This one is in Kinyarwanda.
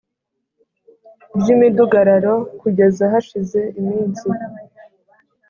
By’imidugararo kugeza hashize iminsi